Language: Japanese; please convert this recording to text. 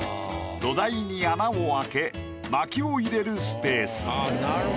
土台に穴を開け薪をいれるスペースに。